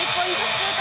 シュート